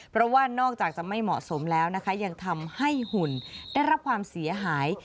เพราะว่านอกจากจะไม่เหมาะสมแล้วนะคะยังทำให้หุ่นได้รับความเสียหาย